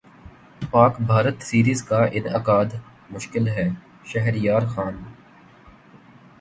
پاک بھارت سیریزکا انعقادمشکل ہے شہریارخان